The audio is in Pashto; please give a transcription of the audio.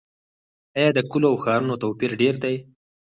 آیا د کلیو او ښارونو توپیر ډیر دی؟